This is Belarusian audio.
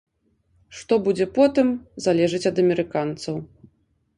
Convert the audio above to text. Што будзе потым, залежыць ад амерыканцаў.